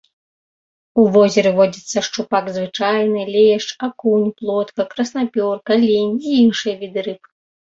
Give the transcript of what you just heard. У возеры водзяцца шчупак звычайны, лешч, акунь, плотка, краснапёрка, лінь і іншыя віды рыб.